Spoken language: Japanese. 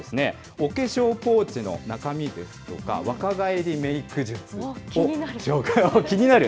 お化粧ポーチの中身ですとか、若返りメーク術を紹介、気になる？